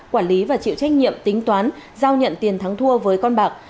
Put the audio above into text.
quản lý và chịu trách nhiệm tính toán giao nhận tiền thắng thua với con bạc